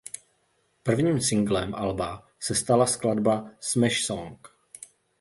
Prvním singlem alba se stala skladba ""Smash Song"".